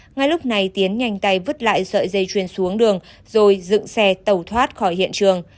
ngay lúc này tiến nhanh tay vứt lại sợi dây chuyền xuống đường rồi dựng xe tẩu thoát khỏi hiện trường